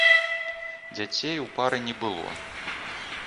Дзяцей у пары не было.